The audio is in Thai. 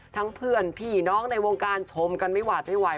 เพื่อนพี่น้องในวงการชมกันไม่หวาดไม่ไหว